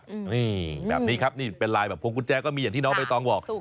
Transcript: นี่แบบนี้ครับงินทรศน์กุญแจก็มีอย่างที่น้องไปต้องวอก